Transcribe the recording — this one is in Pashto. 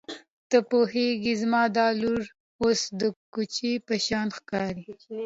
ته پوهېږې زما دا لور اوس د کوچۍ په شان ښکاري.